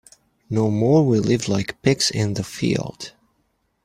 No more we live like pigs in the field.